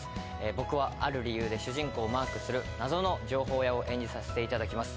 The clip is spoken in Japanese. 僕はある理由で主人公をマークする謎の情報屋を演じさせていただきます